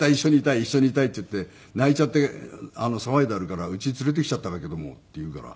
一緒にいたい！”って言って泣いちゃって騒いでるからうちに連れてきちゃったんだけども」って言うから。